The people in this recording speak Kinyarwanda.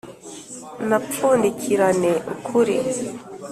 napfundikirane ukuri